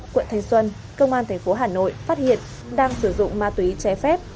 quận thanh xuân công an thành phố hà nội phát hiện đang sử dụng ma túy trái phép